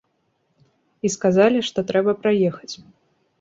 І сказалі, што трэба праехаць.